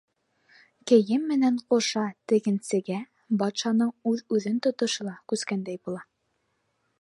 Кейем менән ҡуша тегенсегә батшаның үҙ-үҙен тотошо ла күскәндәй була.